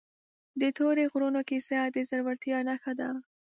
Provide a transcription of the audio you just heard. د تورې غرونو کیسه د زړورتیا نښه ده.